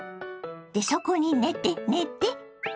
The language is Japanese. でそこに寝て寝て。